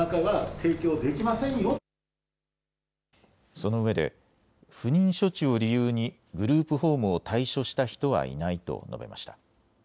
そのうえで不妊処置を理由にグループホームを退所した人はいないと述べました。